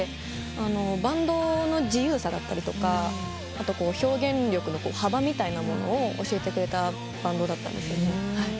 バンドの自由さだったりとか表現力の幅みたいなものを教えてくれたバンドだったんですよ。